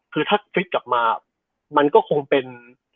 คือถ้าฟิตกลับมามันก็คงเป็น